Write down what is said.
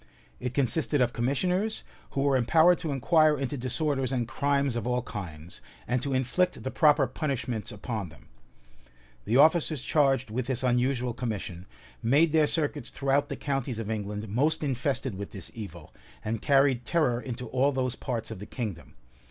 It consisted of commissioners, who were empowered to inquire into disorders and crimes of all kinds, and to inflict the proper punishments upon them. The officers charged with this unusual commission, made their circuits throughout the counties of England most infested with this evil, and carried terror into all those parts of the kingdom.